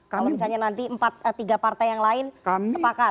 kalau misalnya nanti tiga partai yang lain sepakat